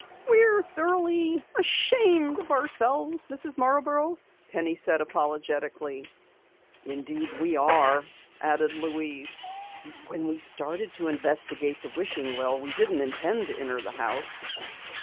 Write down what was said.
"We're thoroughly ashamed of ourselves, Mrs. Marborough," Penny said apologetically. "Indeed we are," added Louise. "When we started to investigate the wishing well we didn't intend to enter the house."